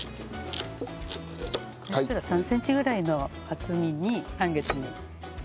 ３センチぐらいの厚みに半月に。